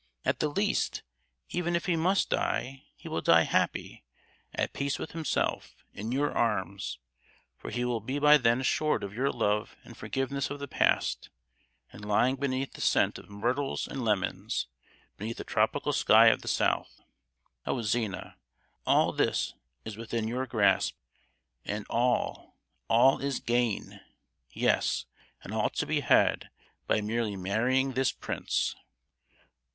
At the least, even if he must die, he will die happy, at peace with himself, in your arms—for he will be by then assured of your love and forgiveness of the past, and lying beneath the scent of myrtles and lemons, beneath the tropical sky of the South. Oh, Zina, all this is within your grasp, and all—all is gain. Yes, and all to be had by merely marrying this prince."